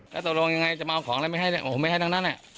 แล้วตกลงยังไงจะมาเอาของอะไรไม่ให้โอ้โหไม่ให้ทั้งนั้น